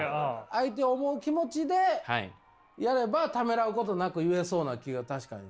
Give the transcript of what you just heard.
相手を思う気持ちでやればためらうことなく言えそうな気は確かに。